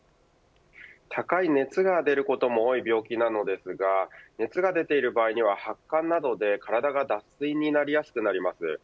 高い熱が出ることも多い病気なのですが熱が出ている場合には発汗などで体が脱水になりやすくなります。